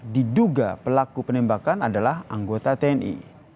diduga pelaku penembakan adalah anggota tni